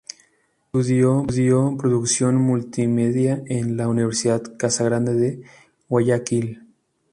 Estudió Producción Multimedia en la Universidad Casa Grande de Guayaquil.